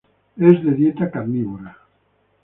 Es de dieta carnívora.